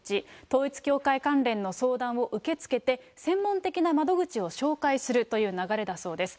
統一教会関連の相談を受け付けて、専門的な窓口を紹介するという流れだそうです。